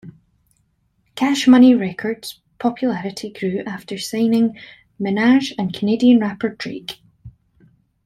Cash Money Records popularity grew after signing Minaj and Canadian rapper Drake.